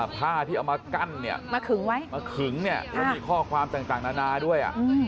ผ้าที่เอามากั้นมาขึงมีข้อความต่างนานาด้วย